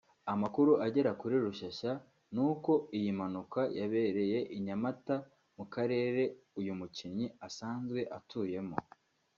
Amakuru agera kuri Rushyashya ni uko iyi mpanuka yabereye i Nyamata mu Karere uyu mukinnyi asanzwe atuyemo